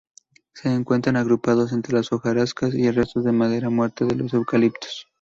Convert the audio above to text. Se encuentran agrupados entre las hojarasca y restos de madera muerta de los eucaliptos.